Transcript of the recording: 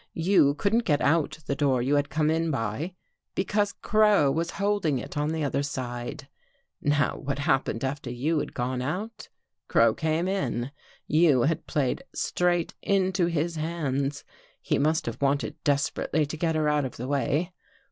You couldn't get out the door you had come in by, because Crow was holding it on the other side. '' Now what happened after you had gone out? Crow came in. You had played straight into his hands. He must have wanted desperately to get her out of the way.